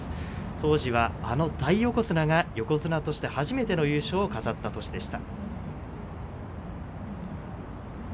当時はあの大横綱が横綱として初めての優勝を飾った年でした。